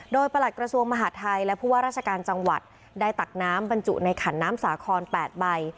โดยประหลัดกระทรวงมหาดไทยและผู้ว่าราชการจังหวัดได้ตักน้ำบรรจุในขันน้ำสาคร๘ใบ